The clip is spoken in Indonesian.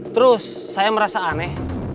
terus saya merasa aneh